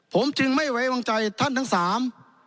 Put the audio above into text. ผมจึงไม่ไว้วางใจท่านทั้งสาม